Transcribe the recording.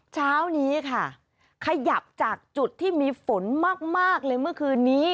เช้านี้ค่ะขยับจากจุดที่มีฝนมากเลยเมื่อคืนนี้